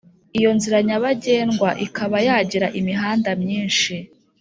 iyo nzira nyabagendwa ikaba yagira imihanda myinshi